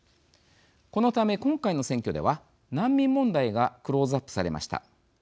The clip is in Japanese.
このため今回の選挙では難民問題がクローズアップされました。